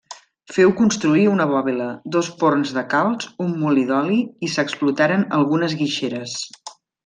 Féu construir una bòbila, dos forns de calç, un molí d'oli i s'explotaren algunes guixeres.